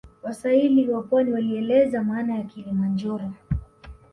Waswahili wa pwani walieleza maana ya kilimanjoro